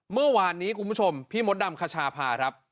เมื่อวานนี้คุณผู้ชมพี่มดดำคชาพาครับ